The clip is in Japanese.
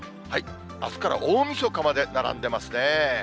あすから大みそかまで並んでますね。